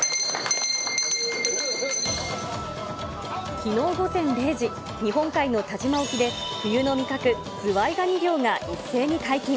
きのう午前０時、日本海のたじま沖で、冬の味覚、ズワイガニ漁が一斉に解禁。